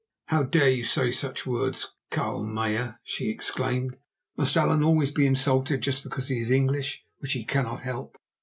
"How dare you say such words, Carl Meyer?" she exclaimed. "Must Allan always be insulted just because he is English, which he cannot help?